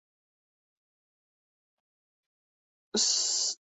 Se encuentra en Brasil y en Argentina.